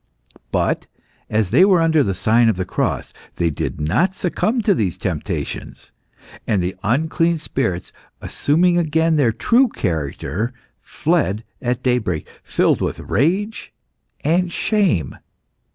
But, as they were under the sign of the Cross, they did not succumb to these temptations, and the unclean spirits, assuming again their true character, fled at daybreak, filled with rage and shame.